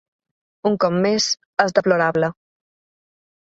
Un cop més… és deplorable.